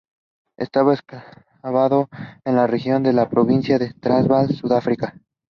Estaba enclavado en la región de la provincia del Transvaal, Sudáfrica.